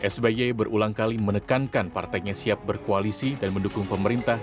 sby berulang kali menekankan partainya siap berkoalisi dan mendukung pemerintah